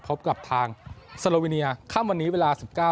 พบกับทางสโลวิเนียค่ำวันนี้เวลา๑๙